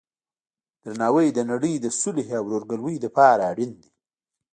درناوی د نړۍ د صلحې او ورورګلوۍ لپاره اړین دی.